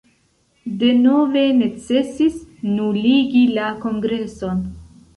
Denove necesis nuligi la kongreson.